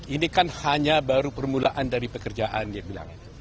ini kan hanya baru permulaan dari pekerjaan dia bilang